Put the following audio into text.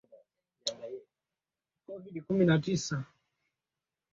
ndio maana ukapewa jina la Kichi